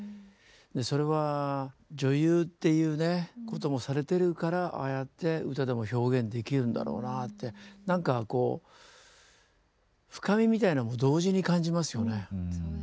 でそれは女優っていうねこともされてるからああやって歌でも表現できるんだろうなあって何かこう深みみたいなものを同時に感じますよね。